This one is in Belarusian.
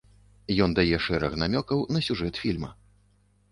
Ён дае шэраг намёкаў на сюжэт фільма.